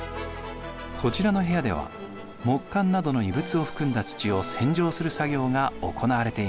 こちらの部屋では木簡などの遺物を含んだ土を洗浄する作業が行われています。